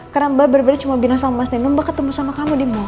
karena mbak bener bener cuma bina sama mas nino mbak ketemu sama kamu di mall